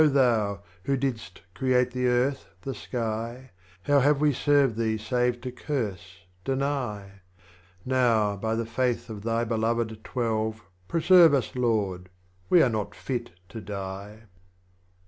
Thou Who didst create the Earth, the Sky, How have we served Thee save to curse, deny ? Now by the Faith of Thy Beloved Twelve, Preserve us Lord â€" we are not fit to die.